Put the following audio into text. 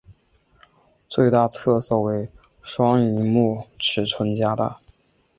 最大特色为双萤幕尺寸加大。